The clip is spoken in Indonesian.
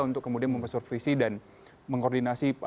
untuk kemudian memper supervisi dan mengkoordinasi